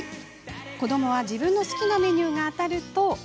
子どもは自分の好きなメニューが当たると。